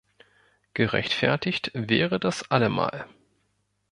Gerechtfertigt wäre das allemal.